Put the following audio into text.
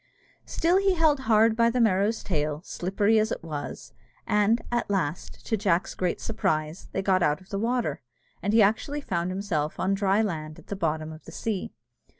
Still he held hard by the Merrow's tail, slippery as it was; and, at last, to Jack's great surprise, they got out of the water, and he actually found himself on dry land at the bottom of the sea.